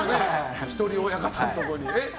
１人親方のところに。